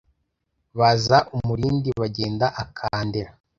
Baza umurindi bagenda aka Ndera